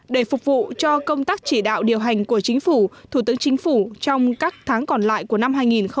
để phục vụ cho công tác chỉ đạo điều hành của chính phủ thủ tướng chính phủ trong các tháng còn lại của năm hai nghìn hai mươi